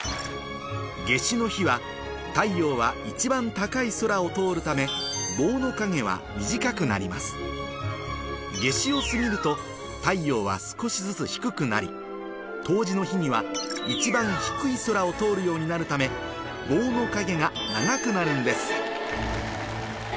夏至の日は太陽は一番高い空を通るため棒の影は夏至を過ぎると太陽は少しずつ低くなり冬至の日には一番低い空を通るようになるため棒の影が日向坂の。